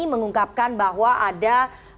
mengungkapkan bahwa ada